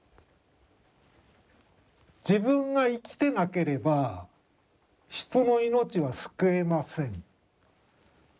自分が生きてなければ人の命は救えません。